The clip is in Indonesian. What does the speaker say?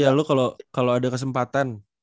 ya lo kalau ada kesempatan